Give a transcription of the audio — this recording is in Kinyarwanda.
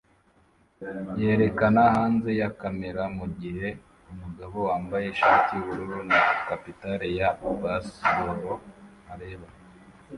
yerekana hanze ya kamera mugihe umugabo wambaye ishati yubururu na capitale ya baseball areba